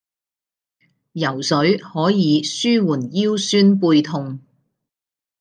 游水可以舒緩腰酸背痛